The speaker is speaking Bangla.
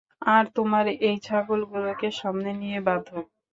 আর তোমরা, ওই ছাগলগুলোকে সামনে নিয়ে বাঁধো।